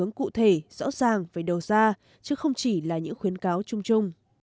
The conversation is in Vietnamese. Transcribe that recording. hướng cụ thể rõ ràng về đầu ra chứ không chỉ là những khuyến cáo chung chung